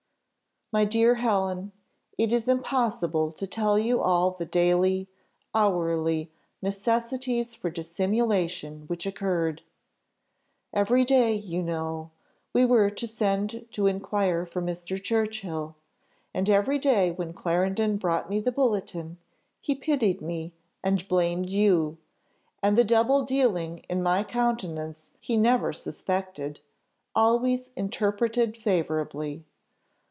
"My dear Helen, it is impossible to tell you all the daily, hourly necessities for dissimulation which occurred. Every day, you know, we were to send to inquire for Mr. Churchill; and every day when Clarendon brought me the bulletin, he pitied me, and blamed you; and the double dealing in my countenance he never suspected always interpreted favourably.